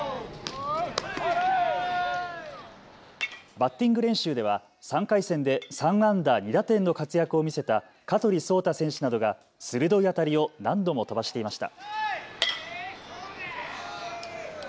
バッティング練習では３回戦で３安打２打点の活躍を見せた香取蒼太選手などが鋭い当たりを何度も飛ばしていました。